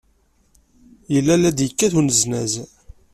Yella la d-yekkat uneznaz.